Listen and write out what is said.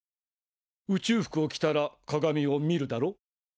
宇宙服を着たら鏡を見るだろ？